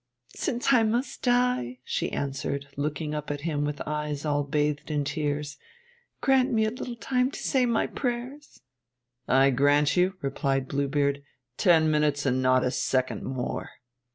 'Since I must die,' she answered, looking up at him with eyes all bathed in tears, 'grant me a little time to say my prayers.' 'I grant you,' replied Blue Beard, 'ten minutes, and not a second more.'